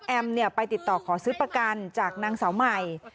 ไปติดต่อขอซื้อประกันจากนางสาวใหม่